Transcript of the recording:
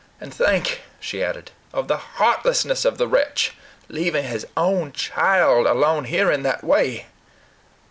"And think," she added, "of the heartlessness of the wretch, leaving his own child alone here in that way."